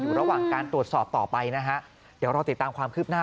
อยู่ระหว่างการตรวจสอบต่อไปนะฮะเดี๋ยวรอติดตามความคืบหน้า